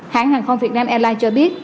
hãng hàng không việt nam airlines cho biết